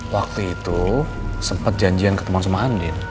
waktu itu sempet janjian ketemu sama andin